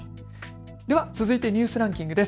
続いてニュースランキングです。